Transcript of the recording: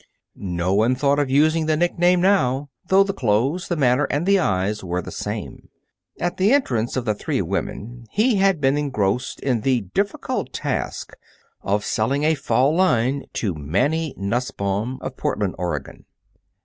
No one thought of using the nickname now, though the clothes, the manner, and the eyes were the same. At the entrance of the three women, he had been engrossed in the difficult task of selling a fall line to Mannie Nussbaum, of Portland, Oregon.